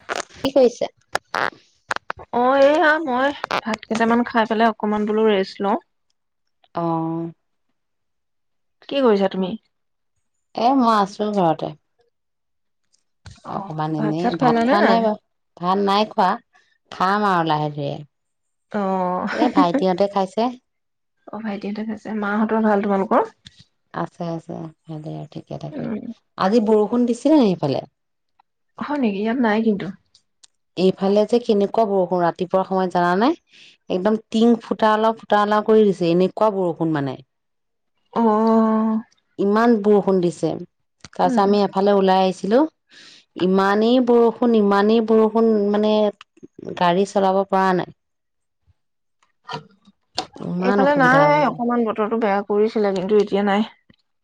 [unintelligible] কি কৰিছে? অ', এইয়া মই ভাত কেইটামান খাই পেলাই অকমান বোলো ৰেষ্ট লওঁ। অ কি কৰিছা তুমি? এ মই আছো ঘৰতে। অ অকমান এনেই চাত ভাত খালা নে খোৱা নাই বাৰু ভাত নাই খোৱা খাম আৰু লাহে-ধীৰে। অ এ ভাইটিহঁতে খাইছে। অ', ভাইটিহতে খাইছে, মাহঁতৰ ভাল তোমালোকৰ? আছে আছে ভালেই আৰু। ঠিকে থাকে উম আজি বৰ ষুণ দিছিলে নাই সেইফালে? হয় নেকি? ইয়াত নাই কিন্তু। এইফালে যে কেনেকুৱা বৰষুণ ৰাতিপুৱাৰ সময়ত জানা নে? একদম টিং ফুটা ওলাও, ফুটা ওলাও কৰি দিছে এনেকুৱা বৰষুণ মানে। অ ইমানবোৰ। বৰষুণ দিছে। উম তাৰপিছত আমি এফালে ওলাই আহিছি লো ইমানেই বৰষুণ ইমানেই বৰ ষুণ মানে গাড়ী চলাব পৰা নাই। ইমান এইফালে অসুবিধা হৈ গৈছে। নাই অকমান বতৰটো বেয়া কৰিছিলে কিন্তু এতিয়া নাই।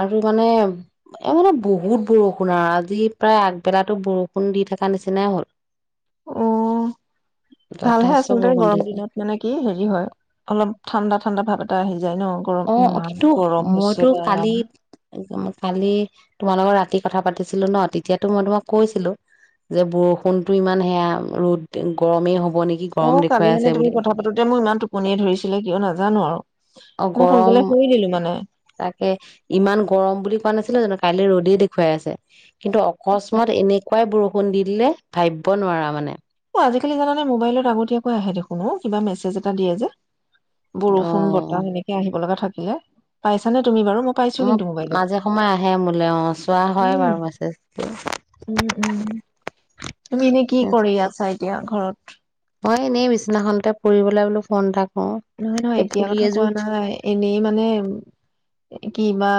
আৰু মানে এ মানে বহুত বৰষুণ ৰা, আজি প্ৰায় আগবেলাতো বৰষুণ দি থকা নিচিনাই হ'ল। অ ভালহে যথেষ্ট আচলতে বৰষুণ গৰম দিছে দিনত মানে কি হেৰি হয় অলপ ঠাণ্ডা ঠাণ্ডা ভাৱ তাহিন। অ', কিন্তুহ মইতো বা কালি একদম মা কালি তোমালোকৰ লগত ৰাতি কথা পাতিছিলোঁ ন। তেতিয়াতো মই তোমাক কৈছিলো, যে বৰষুণতো ইমান সেয়া অ, ৰ'দ গৰমেই হ অ', কালি মানে তুমি কথা পাতোতে মোৰ ইমান টোপনিয়ে ধৰিছিলে। কিয় নাজানো আৰু অ', মই গৰম সোনকালে শুই দিলো মানে তাকে ইমান গৰম বুলি কোৱা নাছিলোঁ জানো কালি ৰ'দেই দেখুৱাই আছে। কিন্তু অকস্মাৎ এনেকুৱাই বৰষ ষুণ দি দিলে, ভাবিব নোৱাৰা মানে। অ', আজিকালি জানানে মোবাইলত আগতীয়াকৈ আহে দেখোন অ, কিবা মেছেজ এটা দিয়ে যে বৰষুণ, অ বতাহ এনেকে আহিব লগা থাক ইয়ে, পাইছা নে তুমি বাৰু মই পাইছোঁ মোক কিন্তু মোবাইলত। মাজে সময়ে আহে মোলে অ চোৱা হয় উম, বাৰু মেছেজটো উম উম তুমি এনে কি কৰি আছ এতিয়া ঘৰত মই এনেই বিচিনাখনতে পুৰিবলৈ বোলো ফোন এাক নহয় নহয়, এতিয়া কথা কোৱা নাই, এনেই মানে কিবা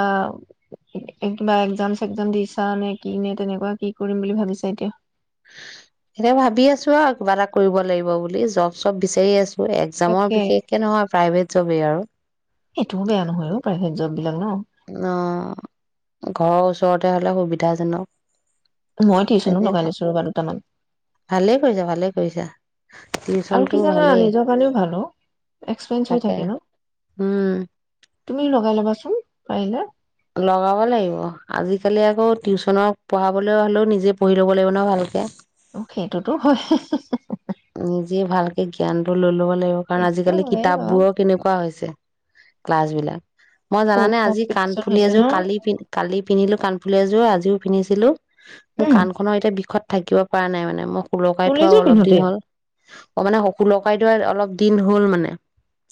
এই কিবা একজাম চেকজাম দিছা নে কি নে তেনেকুৱা কি কৰিম বুলি ভাবিছো এতিয়া? অহ, এতিয়া ভাবি আছোঁ আৰু কিবা এটা কৰিব লাগিব বুলি জব-চব বিচাৰি আছ একজামৰ তাকে বিশেষকে নহয়, প্ৰাইভেট জবেই আৰু। এইটোও বেয়া নহয় অ', প্ৰাইভেট জব বিলাক ন। অ', ঘৰৰ ওচৰতে হ'লে সুবিধাজনক। মই টিউচন‌ও লগাই তেনেকুৱা লৈছোঁ ৰ'বা দুটামান ভালেই কৰিছা ভালেই কৰিছা আৰু টিউচনটো কি জানা। ভালেই নিজৰ কাৰণেও ভাল অ। এক্সপিৰিয়েঞ্চ হৈ তাকে থাকে ন। উম তুমিও লগাই লবা চ ‌উ, পাৰিলে। লগাব লাগিব আজিকালি আকৌ টিউচনক পঢ়াবলৈ হ'লেও নিজে পঢ়ি ল'ব লাগিব ন ভালকে। অ সেইটোত হয়। হে হে হে। নিজে ভালকে জ্ঞানটো ল‌ই ল'ব লা লাগিব। কাৰণ আজিকালি বাৰু কিতাপবোৰ‌ও কেনেকুৱা হৈছে। ক্লাছবিলাক মই খুব জানানে আজি কান কম্পিটিচন ফুলি হৈছে ন এযোৰ কালি পিনি-কালি পিন্ধিলোঁ কাণ বোলে এযোৰ আজিও পিন্ধিছিলোঁ। অহ, মোৰ উম কাণখনৰ এতিয়া বিষত থাকিব পৰা নাই মানে ম সোলোকাই থোৱা ফুলেযোৰ অলপ দিন পিন্ধোতেই হ'ল। অ', মানে সকু-সোলোকাই থোৱা অলপ দিন হ'ল মানে।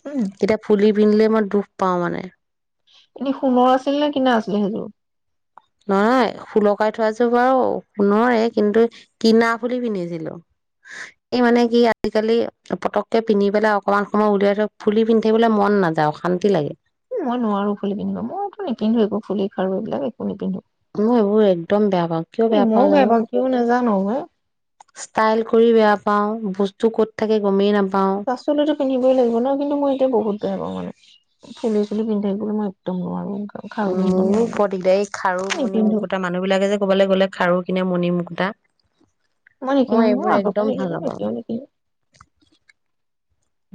উম এতিয়া ফুলি পিন্ধিলে মই দুখ পাওঁ মানে। এনে সোণৰ আছিল নে কিনা আছিলে সেইযোৰ। নহয় সুলকাই থোৱা যো বাৰু সোনৰে কিন্তু কিনা ফুলি পিন্ধিছিলো। এই মানে কি আজিকালি পতককে পিন্ধি পেলাই অকমান সময় উলিয়াই থৈ ফুলি পিন্ধিবলৈ মন নাযায় অশান্তি লাগে। উ মই নোৱাৰো ফুলি পিন্ধিব মইতো নিপিন্ধো একো ফুলি খাৰু এইবিলাক একো নিপিন্ধো। মই এইবোৰ একদম বেয়া পাও কিয় এই বেয়া মইও পাওঁ জানো। কিয় নাজানো মই ষ্টাইল কৰি বেয়া পাও, বস্তু ক'ত থাকে গমেই নাপা পাছফালে ত পিন্ধিবই লাগিব ন কিন্তু মই এতিয়া বহুত বেয়া পওঁ মানে। ফুলি-চুলি পিন্ধু থাকিবলে মই একদম নোৱাৰো। খাৰু পিন্ধিব মোৰো নোৱাৰো ক-দিকদাৰ এই খাৰু মণি নিপিন্ধো মুকুতা মানুহ বিলাকে যে ক'বালে গ'লে খাৰু কিনে মুণি মুুকুত তা। মই নিকিনো নহয় আগপা নিকিনো এতিয়াও নিকিনো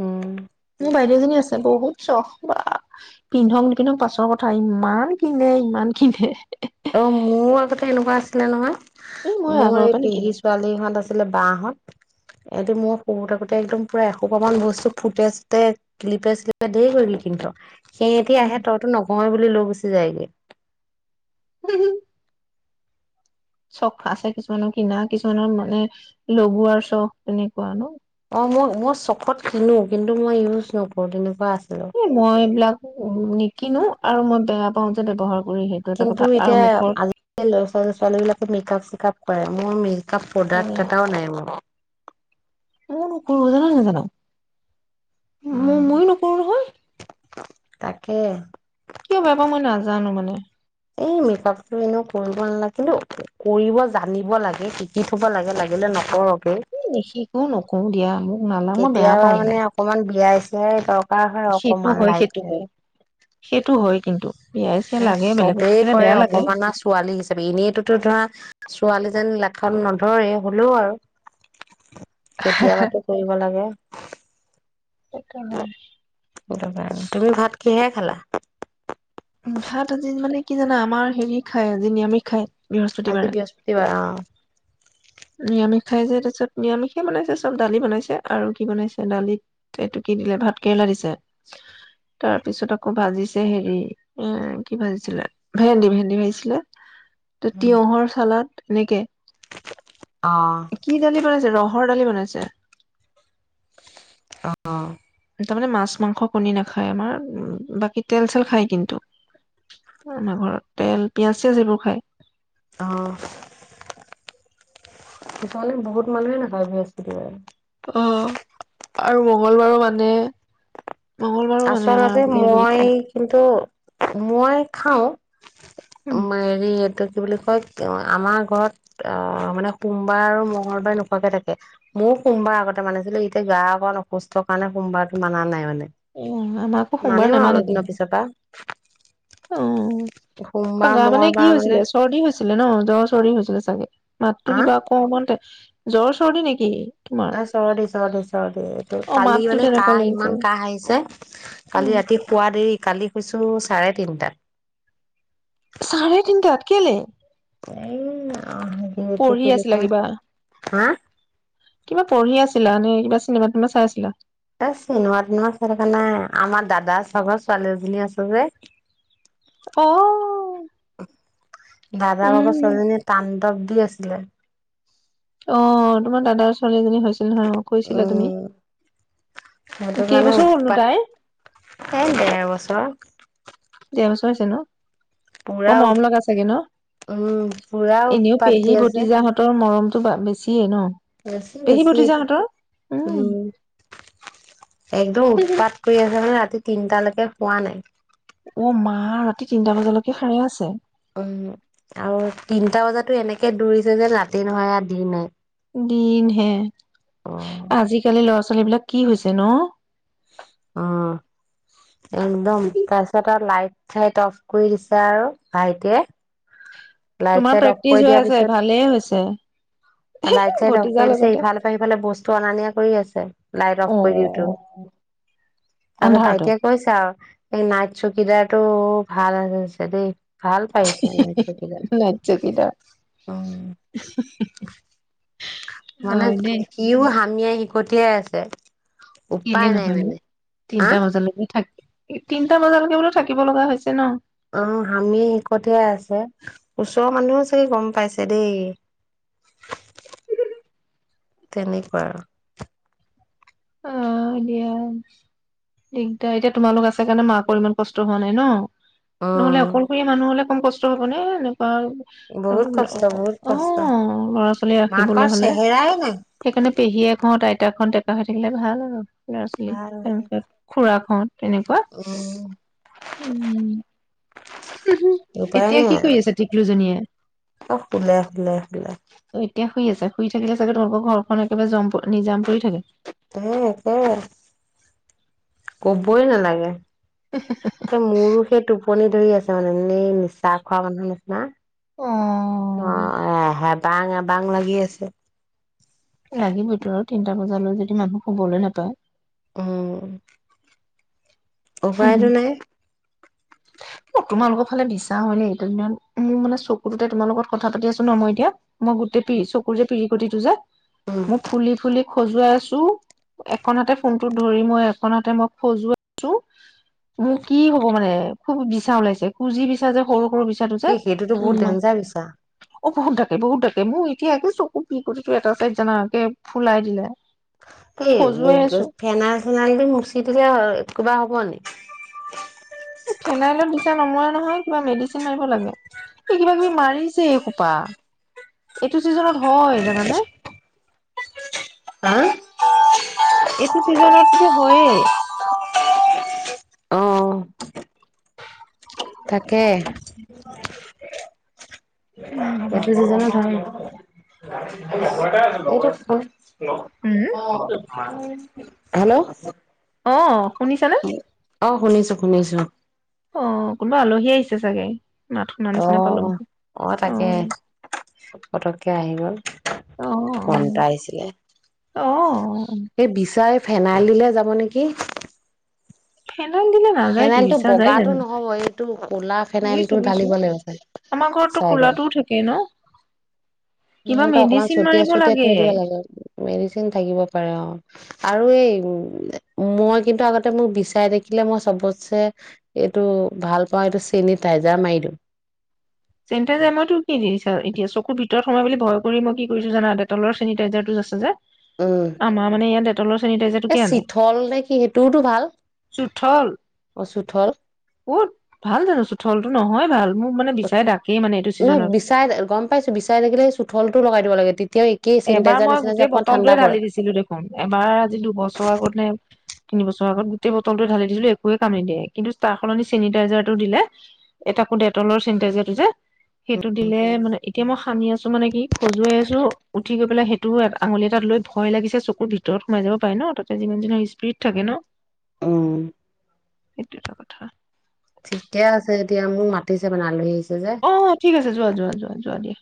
উম মোৰ বাইদেউজনী আছে বহুত চখ বা, পিন্ধক নিপিন্ধক পাছৰ কথা ইমান কিনে ইমান কিনে অ, মোৰ আগতে এনেকুৱা আছিলে এই মই নহয়। মোৰ আগৰ এই পৰা পেহী নিকিনো ছোৱালীহঁত আছিলে বা-হত। এটি মই সৰু থাকোতে একদম পুৰা এসোপামান বস্তু ফুটে-চুটে, কিলিপে-চিলিপে ধেই কিবা-কিবি কিনি থওঁ সেহেতি উম আহে তইতো নঘহঁ বু ললৈ গুচি যায়গে। [unintelligible] চখ আছে কিছুমানৰ কিনা কিছুমানৰ মানে লগোৱাৰ চখ তেনেকুৱা ন। অ, মই-মই চখত কিনো কিন্তু মই ইউজ নকৰো তেনেকুৱা আছ এ, মই এইবিলাক নিকিনো আৰু মই বেয়া যে ব্যৱহাৰ [unintelligible] এটা কিন্তু কথা আৰু এতিয়া মুখত আজি-কালি ল'ৰা ছোৱালী-ছোৱালী বিলাক মেকাপ-চেকাপ পাৰে, মোৰ মিল প্ৰডাক্ট এটাও নাই মোৰ। মও নকৰো জান-নাজান। উম ম-মইয়ো নকৰোঁ নহয়। তাকে। কিয় বেয়া পাও মই নাজানো মানে। এই, মেকআপটো এনেও কৰিব নালাগে কিন্তু কৰিব জানিব লাগে শিকি থব লাগে, লাগিলে নকৰকে। নিশিকোঁ নকৰো দিয়া মোক নালা মই বেয়া কেতিয়াবা পাও মানে অকমান বিয়াই চি [unintelligible] পাৰ হয় সেইটো অকমান হয় সেইটো লাইটে হয় কে সেইটো হয় কিন্তু। বিয়াই চিয়াই লাগে বেলেগত চবেই থাকিলে কৰে বেয়া লাগে। অকমানা ছোৱালী হিচাপে এনেইটোতো ধৰা ছোৱালীজেননী লেখত নধৰে হ'লেও আৰু। কেতিয়াবাতো কৰিব লাগে সেইটো হয়। তুমি ভাত কিহে খালা ভাত আজি মানে কি জানা আমাৰ হেৰি খায় আজি নিয়মি খায় আজি বৃহস্পতিবাৰে বৃহস্পতিবাৰ নিৰামিষ খাই যে তাৰপিছত নিৰামিষে বনাইছে চব দালি বনাইছে আৰু কি বনাইছে দালিত এইটো কি দিলে ভাত কেৰেলা দিছে তাৰ পিছত আকৌ ভাজিছে হেৰি এ কি ভাজিছিলে ভেন্দি ভেন্দি ভাজিছিলে ত অ তিয়হৰ চালাত এনেকে অ', কি দালি বনাইছে ৰহ ৰহৰ দালি বনাইছে অ তাৰমানে মাছ মাংস কণী নাখায় আমাৰ বাকী তেল চেল খায় কিন্তু আমাৰ ঘৰত তেল পিয়াজ চিয়াজ এইেইবোৰ খায় অ সিফালে বহুত মানুহে নাখায় বৃহস্পতিবাৰে আহ আৰু মংগলবাৰো মানে মংগলবাৰো মানে আমাৰ আচলতে নিৰামিষ মই খায়। কিন্তু মই খাও মৰি এটো কি বুলি কয় আমাৰ ঘৰত অ মানে সোমবাৰ আৰু মংলবাৰ নোকোৱাকে থাকে মই সোমবাৰ আগতে মানিছিলো এতিয়া গা অকণ অসুস্থৰ কাৰণে সোমবাৰতটো মানা নাই মানে উহ আমাকো সোমবাৰ নামানে দেখুন অ অ আ গা মানে কি হৈছিলে চৰ্দি হৈছিলে ন জ্বৰৰ চৰ্দি হৈছিলে তাকে মাতো হা কিবা আকমানতে জ্বৰ চৰ্দি নেকি তোমাৰ অ চৰদি চৰ্দি চৰ্দি এইটো অ কালি মাততো মানে তেনেকুৱা কাহ লাগিছে ইমান কাহ আহিছে উম কালি ৰাতি শুৱা দেৰি কালি শুইছো চাৰে তিনটাত চাৰে তিনটাত কেলে এ ই য়া অ এতিয়া কি পঢ়ি বুলি আছিলা কয় কিবা হা কিবা পঢ়ি আছিলা নে কিবা চিনেমা তোনেমা চাই আছিলা এ চিনেমা টিনেমা চায় থকা নাই আমাৰ দাদা চাগৰ ছোৱালী এজনী আছে যে অ দাদা বাপৰ উম ছোৱালীজনীা টান তাপ দি আছিলে অ তোমাৰ দাদাচ ছোৱালীজনী হৈছিল ন কৈছিলা তুমি উম সেইটো কাৰণে কেইবছৰ হ'লনো উৎপাত তাই এই ডেৰ বছৰ ডেৰবছৰ হৈছে ন পুৰা বৰ মৰম লগা চাগে ন উম পুৰা এনেও উৎপাত দি পেহী আছে ভতিজাহঁতৰ মৰম অ বা বেছিয়ে ন বেছি পেহী বেছি ভতিজাহঁতৰ উম একদম উৎপাত কৰি আহে মানে ৰাতি তিনটালৈকে শুৱা নাই। অ মা তিনটা বজালৈকে সাৰে আছে উম আৰু তিনটা বজাতো এনেকে- কে দৌৰিছে যে ৰাাতি নহয় আৰু দিনে দিন হে অ আজিকালি ল'ৰা ছোৱাল- -ৱলী বিলাক কি হৈছে ন- অহ একদম তাৰপাছত আৰু লাইট চাইত অফ কৰি দিছে আৰু ভাইটিয়ে লাইট তোমাৰ চাইট অফ প্ৰেক্টিচ কৰি হৈ দিয়াৰ আছে পিছত, ভালেই হৈছে লাইট চাইট অফ ভতিজা কৰি দিছে। লগতে ইফালৰ পৰা সিফালে বস্তু অনা নিয়া কৰি আছে, লাইট অফ অ কৰি দিওঁতেও, তাৰপিছত আন্ধাৰতে ভাইটিয়ে কৈছে আৰু- নাইট চকিদাৰটো ভাল আছে দেই। ভাল পাইছে নাই- নিৰ্লজ্জ কেইটা হু হু হু মানে হয় দেই। সিও হামিয়াই হিকটিয়াই আছে। কেলে উপায় নাই নহয় নো মানে হা তিনটা বজালৈকে থাকিল। তিনটা বজালৈকে বোলো থাকিব লগা হৈছে ন, আহ হামি হিকটিয়াই আছে ওচৰৰ মানুহো চাগে গম পাইছে দেই তেনেকুৱা আৰু। অ দিয়া দিগদাৰ এতিয়া তোমালোক আছে কাৰণে মাকৰ ইমান কষ্ট হোৱা নাই ন। নহ'লে উম অকলশৰীয়া মানুহ হ'লে কম কষ্ট হব নে নে। হয় বহুত ল কষ্ট বহুত অ কষ্ট ল'ৰা ছোৱালী ৰাখিবলৈ মাকৰ হলে চেহেৰাই নাই সেইকাৰণে পেহীয়েকহঁত আইতাক- এখন ডেকা - -দিলে ভাল আৰু- লৰা ছোৱালী, ভাল তাৰপিছত খুৰাকহত। তেনেকোৱা উম হু হু উপায় এতিয়া নাই কি কৰি আৰু আছে টিকলুজনীয়ে? চব শুলে শুলে শুলে এতিয়া- শুই আছে, শুই থাকিলে চাগে তেওঁলোকৰ ঘৰখন একেবাৰে জম নিজাম পৰি থাকে? এ একেবাৰে, কবই নালাগে। এ মোৰো সেইটো- পনি ধৰি আছে মানে এনেই নিছা খোৱা মানুহৰ নিচিনা। অ অ আহ হাত [unintelligible] বাং আবাং লাগি আছে। লাগিবতো আৰু তিনটা বজালৈ যদি মানুহ শুবলৈ নাপায়, অহ উপাইটো নাই। উ তোমালোকৰ ফালে বিছা হয়নে এইকেইদিনত? মোৰ মানে চকুটোতে তোমাৰ লগত কথা পাতি আছো ন মই এতিয়া মই গোটেই পি চকুৰ যে পিৰি টো যে উম মই ফুলি ফুলি খজুৱাই আছো এখনহাতে ফোনটোত ধৰি মই এখনহাতে মই খজুৱাই আছে মোৰ কি হ'ব মানে? খুব বিছা ওলাইছে খোজিচা যে সৰু সৰু বি এ সেইটোতো বহুত ডেঞ্জাৰ বিছা অ বহুত থাকে বহুতাকে মোৰ এতিয়াাকে চকু বিকটো এটা চাইদ জানকে ফুলাই দিলে এই খজুৱাই আছো ফেনাল চেনাল দি মুচি দিলে কিবা হব [unintelligible] ফেনাইলত বিচা নমৰা নহয় কিবা মেডিচিন মাৰিব লাগে এই কিবা কিবি মাৰিছে খোপা এইটো চিজনত হয় জ মানে হা এইটো চিজনত যে হয়েই অ তাকে উম। এইটো চিজনত [unintelligible] উম, হেল্ল' অ হেল্ল' অ শুনিছানে অ শুনিছো শুনিছো অ কোনোবা আলহী আহিছে চাগে মাত শুনা অ নিচিনা পালো। আহ তাকে অ' পতককে আহি গ'ল, অ' ফ'ন এটা আহিছিলে অ' অ' সেই বিচাৰে ফেনাইলদিলে যাব নেকি! ফেনাইল দিলে নাযায়তো ফেনাইলটো বিছা যায় বগাটো জানো? নহব এইটো কলা বুজিছো ফেনাইলটো বুজিছো। ঢালিব লাগিবছে আমাৰ ঘৰততো চাইডৰ কোলাটোও থাকে ন? কিবা মোৰতো অকমান মেডিচিন চতিয়া মাৰিব চতিয়াাই লাগে। থৈ দিব লাগে মেডিচিন থাকিব পাৰে অ আৰু এই মই কিন্তু আগতে মোক বিচাই দেখিলে মই চবতছে এইটো ভাল পাওঁ এইটো চেনিটাইজাৰ মাৰি দিওঁ চেনিতাইজাৰ মই তোক কি দিছা দিয় চকুৰ ভিতৰত সোমাই বুলি ভয় কৰি মই কি কৰিছো জানা এ তলৰেনিটাইজাৰটোোজ আছে যে উম আমা মানে ই দে তলৰ এই চেনিটাইজাৰটোোকিয় আনে চিঠল নে কি সেইটোওতো ভাল চোঠল অ চুঠল কত ভাল জানো চুঠল নহয় ভাল মোৰ মানে বিচাই ডাকেই মানে এইটো ন ছিজনত। বিচাই গম পাইছো বিচাই থাকিলে সেই চুঠল টো লগাই দিব লাগে তি এবাৰ মই গোটেই বটলটোৱে ঢালি দিছিলো দেখোন এবাৰ আজি দুবছৰ আগতে তিন বছৰৰ আগত গোটেই বটলটো ঢালি দিছিলো একোৱে কাম নিদিয়ে কিন্তু তাৰ সলনি চেনিটাইজাৰটো দিলে এটা তাকো ডেটলৰ চেনিটাইজাৰটো যে সেইটো দিলে মানে এতিয়া মই সানি আছো মানে কি খজুৱাই আছো উঠি গৈ পেলাই সেইটো আঙুলি এটাত লৈ ভয় লাগিছে চকুৰ ভিতৰত সোমাই যাব পাৰে ন তাতে যিমান যিনৰ স্পিড থাকে ন উম সেইটোৱেটো এটা কথা ঠিকেই আছে এতিয়া মোক মাতিছে মানে আলহী আহছে অঁ ঠিক আছে যোৱা যোৱা যোৱা যোৱা দিয়া